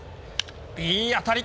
いい当たり。